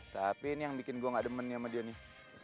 tapi ini yang bikin gue gak demen sama dia nih